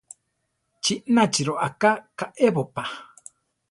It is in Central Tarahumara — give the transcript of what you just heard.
¿Chí nachi roʼaká kaʼébopa?